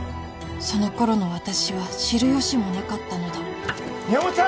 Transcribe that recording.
その頃の私は知る由もなかったのだみやもっちゃん！